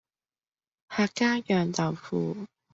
客家釀豆腐